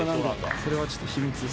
それはちょっと秘密です。